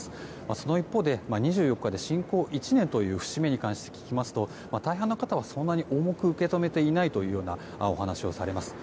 その一方で、２４日で侵攻１年という節目に関して聞きますと大半の方はそんなに重く受け止めていないというお話をされます。